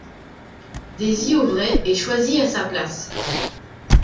Daisy Auvray est choisie à sa place.